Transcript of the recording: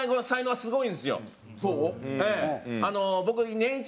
はい。